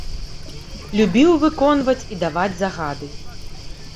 Любіў выконваць і даваць загады.